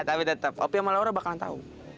tapi tetap opi sama laura bakalan tahu